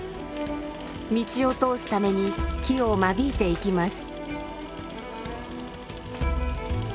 道を通すために木を間引いていきます。